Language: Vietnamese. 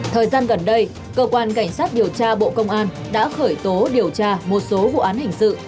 thời gian gần đây cơ quan cảnh sát điều tra bộ công an đã khởi tố điều tra một số vụ án hình sự